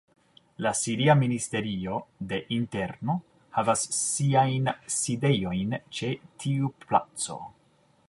La Siria Ministerio de Interno havas siajn sidejojn ĉe tiu placo.